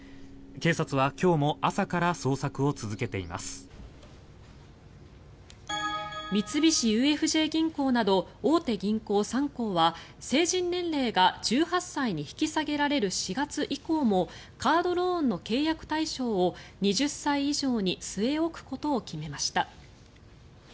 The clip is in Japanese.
警察は今日も朝から捜索を続けています。三菱ＵＦＪ銀行など大手銀行３行は成人年齢が１８歳に引き下げられる４月以降もカードローンの契約対象を２０歳以上に据え置くことを決めました。